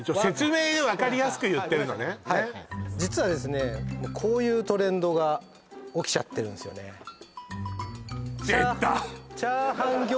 説明で分かりやすく言ってるのね実はですねこういうトレンドが起きちゃってるんですよね出た！